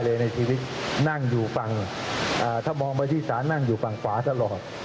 เลยในชีวิตนั่งอยู่บังถ้ามองบธิษศานั่งอยู่ฝั่งขวาตลอด